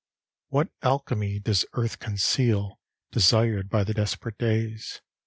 LXVI What alchemy does Earth conceal Desired by the desperate days?